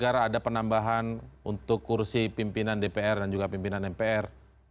ada penambahan untuk kursi pimpinan dpr dan juga pimpinan mpr